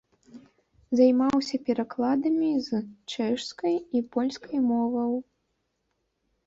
Займаўся перакладамі з чэшскай і польскай моваў.